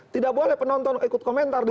tidak boleh penonton ikut komentar di situ